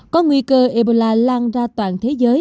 có nguy cơ ebola lan ra toàn thế giới